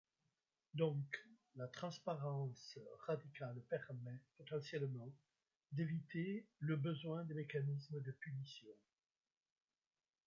Donc, la transparence radicale permet, potentiellement, d'éviter le besoin des mécanismes de punition.